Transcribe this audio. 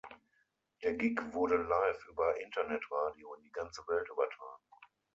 Der Gig wurde live über Internetradio in die ganze Welt übertragen.